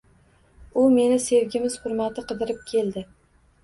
U meni sevgimiz hurmati qidirib keldi